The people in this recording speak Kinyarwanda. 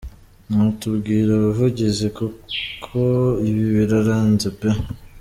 Mwatubwira abavugizi kuko ibi birarenze pe!